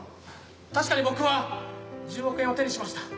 確かに僕は１０億円を手にしました。